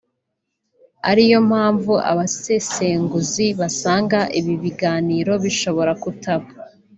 ari yo mpamvu abasesenguzi basanga ibi biganiro bishobora kutaba